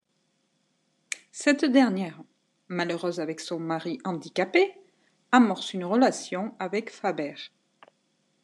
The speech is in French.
Cette dernière, malheureuse avec son mari handicapé, amorce une relation avec Faber.